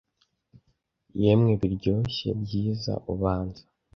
Yemwe biryoshye, byiza, ubanza,